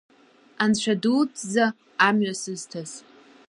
Анцәа дуӡӡа, амҩа сызҭаз…